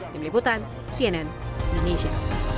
tim liputan cnn indonesia